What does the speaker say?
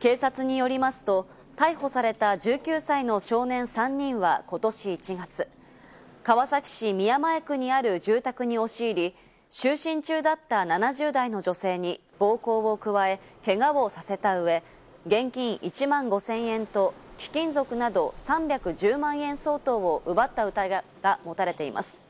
警察によりますと逮捕された１９歳の少年３人は今年１月、川崎市宮前区にある住宅に押し入り、就寝中だった７０代の女性に暴行を加え、けがをさせた上、現金１万５０００円と貴金属など３１０万円相当を奪った疑いが持たれています。